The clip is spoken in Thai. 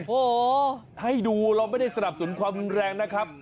โอ้โหให้ดูเราไม่ได้สนับสนุนความรุนแรงนะครับ